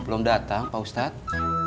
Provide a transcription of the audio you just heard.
belum datang pak ustadz